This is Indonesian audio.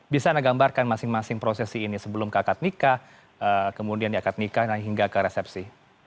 bisa anda gambarkan masing masing prosesi ini sebelum ke akad nikah kemudian di akad nikah hingga ke resepsi